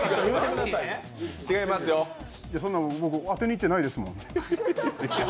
そんなもん僕、当てにいってないですもん。